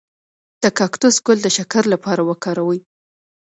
د کاکتوس ګل د شکر لپاره وکاروئ